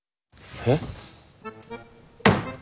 えっ。